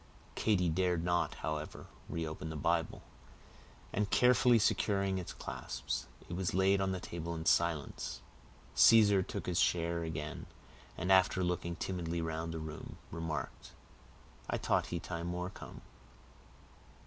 Katy dared not, however, reopen the Bible, and carefully securing its clasps, it was laid on the table in silence. Caesar took his chair again, and after looking timidly round the room, remarked,— "I t'ought he time war' come!"